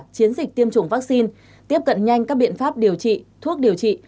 chiến dịch tiêm chủng vaccine tiếp cận nhanh các biện pháp điều trị thuốc điều trị